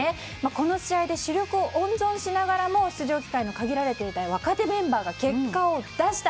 この試合で主力を温存しながらも出場機会が限られていた若手メンバーが結果を出した。